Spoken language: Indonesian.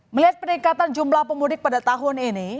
melihat peningkatan jumlah pemudik pada tahun ini